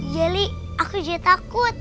yelik aku juga takut